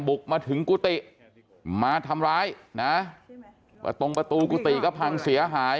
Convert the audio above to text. บุกมาถึงกุฏิมาทำร้ายนะประตงประตูกุฏิก็พังเสียหาย